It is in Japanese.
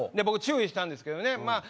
僕注意したんですけどね